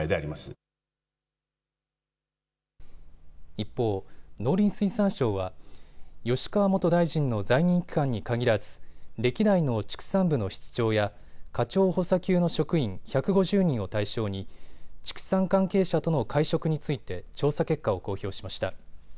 一方、農林水産省は吉川元大臣の在任期間に限らず歴代の畜産部の室長や課長補佐級の職員１５０人を対象に畜産関係者との会食について調査結果を公表しました。